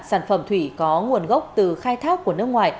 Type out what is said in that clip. sản phẩm thủy có nguồn gốc từ khai thác của nước ngoài